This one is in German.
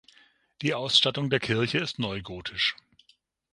Die Ausstattung der Kirche ist neugotisch.